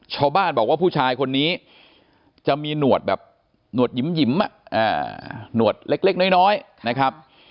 ชาวบ้านบอกว่าผู้ชายคนนี้จะมีหนวดแบบหนวดหยิมหนวดเล็กน้อยนะครับ